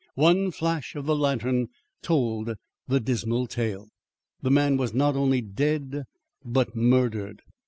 "One flash of the lantern told the dismal tale. The man was not only dead, but murdered.